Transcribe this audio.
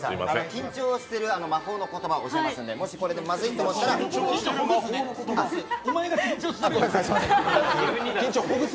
緊張してる、魔法の言葉を教えますので、もしこれでまずいと思ったら緊張をほぐすね、ほぐす。